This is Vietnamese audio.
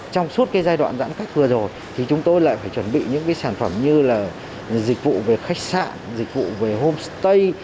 trong suốt giai đoạn giãn cách vừa rồi thì chúng tôi lại phải chuẩn bị những sản phẩm như là dịch vụ về khách sạn dịch vụ về homestay